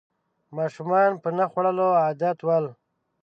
ماشومان په نه خوړو عادت ول